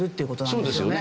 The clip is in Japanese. そうですよね。